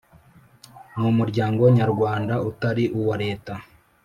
n umuryango nyarwanda utari uwa Leta